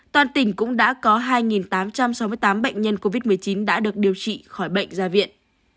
toàn tỉnh cũng đã có hai tám trăm sáu mươi tám bệnh nhân covid một mươi chín đã được điều trị khỏi bệnh ra viện